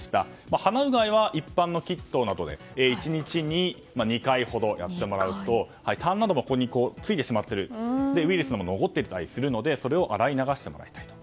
鼻うがいは一般のキットなどで１日に２回ほどやってもらうとたんなどがここについてしまっていてウイルスも残っていたりするのでそれを洗い流してもらいたい。